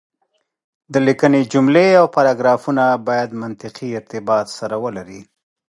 د ليکنې جملې او پاراګرافونه بايد منطقي ارتباط سره ولري.